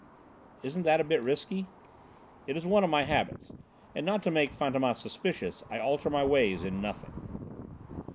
"Isn't that a bit risky?" "It is one of my habits, and not to make Fantômas suspicious I alter my ways in nothing."